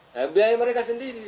nah biaya mereka sendiri